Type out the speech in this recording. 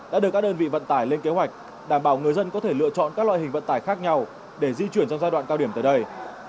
đã được các đơn vị vận tải lên kế hoạch đảm bảo người dân có thể lựa chọn các loại hình vận tải khác nhau để di chuyển trong giai đoạn cao điểm tới đây